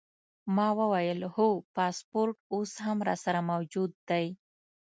ما وویل: هو، پاسپورټ اوس هم راسره موجود دی.